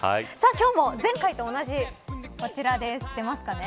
今日も前回と同じ、こちらです。